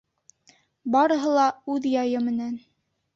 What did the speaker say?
Барыһы ла үҙ яйы менән.